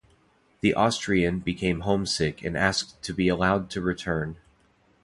The Austrian became homesick and asked to be allowed to return.